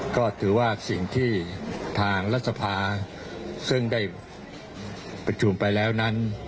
ก็ถือว่าสิ่งที่ทางรัฐสภาซึ่งได้ประชุมไปแล้วนั้น